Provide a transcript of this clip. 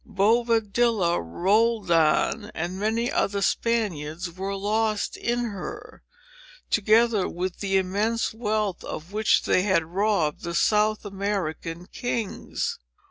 Bovadilla, Roldan, and many other Spaniards, were lost in her, together with the immense wealth of which they had robbed the South American kings."